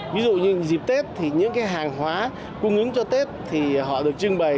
ví dụ như dịp tết thì những cái hàng hóa cung ứng cho tết thì họ được trưng bày